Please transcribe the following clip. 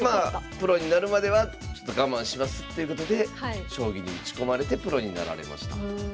プロになるまでは我慢しますということで将棋に打ち込まれてプロになられました。